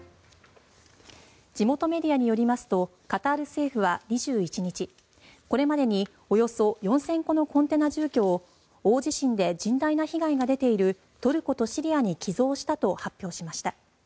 地元メディアによりますとカタール政府は２１日これまでにおよそ４０００戸のコンテナ住居を大地震で甚大な被害が出ているトルコとシリアに寄贈したと発表しました。